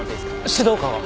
指導官は？